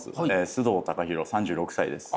須藤貴弘３６歳です。